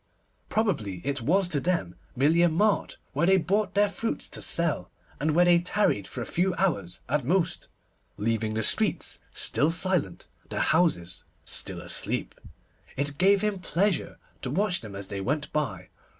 Probably it was to them merely a mart where they brought their fruits to sell, and where they tarried for a few hours at most, leaving the streets still silent, the houses still asleep. It gave him pleasure to watch them as they went by.